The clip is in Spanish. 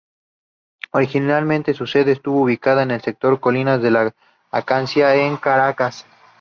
Originalmente, su sede estuvo ubicada en el sector Colinas de Las Acacias, en Caracas.